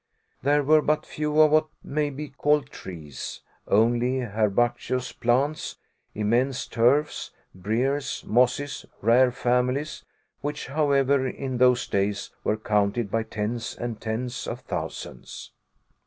There were but few of what may be called trees only herbaceous plants, immense turfs, briers, mosses, rare families, which, however, in those days were counted by tens and tens of thousands.